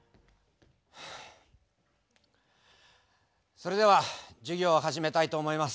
それでは授業を始めたいと思います。